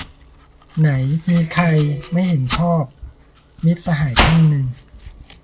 "ไหนมีใคร ไม่เห็นชอบ" - มิตรสหายท่านหนึ่ง